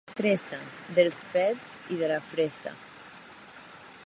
—Mestressa. —Dels pets i de la fressa.